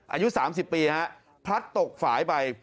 อายุสามสิบปีฮะพลัดตกฝ่ายไป